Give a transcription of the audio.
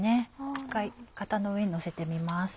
一回型の上にのせてみます。